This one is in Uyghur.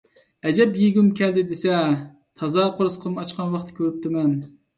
ئەجەب يېگۈم كەلدى دېسە! تازا قورسىقىم ئاچقان ۋاقىتتا كۆرۈپتىمەن.